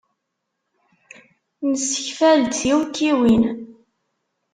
Nessekfal-d tiwekkiwin.